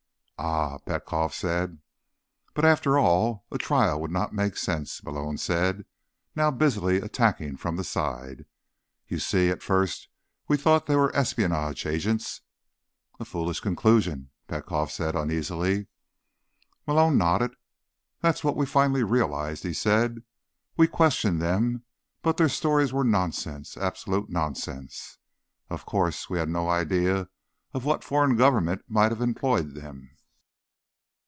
"Ah?" Petkoff said. "But, after all, a trial would not make sense," Malone said, now busily attacking from the side. "You see, at first we thought they were espionage agents." "A foolish conclusion," Petkoff said uneasily. Malone nodded. "That's what we finally realized," he said. "We questioned them, but their stories were nonsense, absolute nonsense. Of course, we had no idea of what foreign government might have employed them."